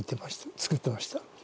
作ってました。